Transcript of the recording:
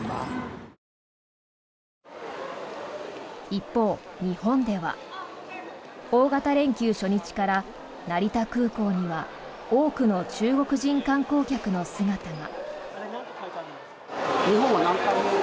一方、日本では大型連休初日から、成田空港には多くの中国人観光客の姿が。